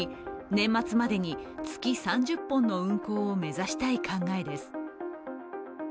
年末までに月３０本の運行を目指したい考えです。